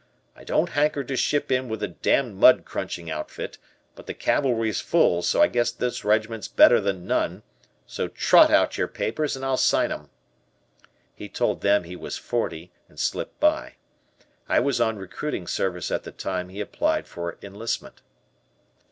I don't hanker to ship in with a damned mud crunching outfit, but the cavalry's full, so I guess this regiment's better than none, so trot out your papers and I'll sign 'em." He told them he was forty and slipped by. I was on recruiting service at the time he applied for enlistment.